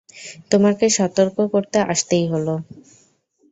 তোমাকে সতর্ক করতে আসতেই হল।